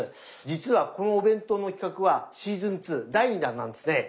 実はこのお弁当の企画はシーズン２第２弾なんですね。